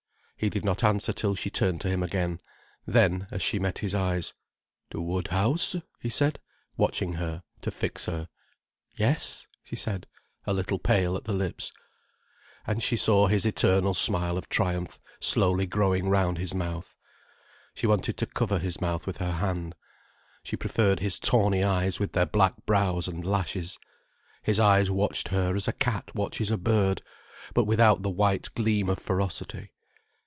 He did not answer till she turned to him again. Then, as she met his eyes, "To Woodhouse?" he said, watching her, to fix her. "Yes," she said, a little pale at the lips. And she saw his eternal smile of triumph slowly growing round his mouth. She wanted to cover his mouth with her hand. She preferred his tawny eyes with their black brows and lashes. His eyes watched her as a cat watches a bird, but without the white gleam of ferocity.